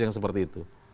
yang seperti itu